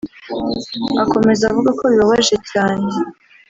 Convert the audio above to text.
Akomeza avuga ko bibabaje cyane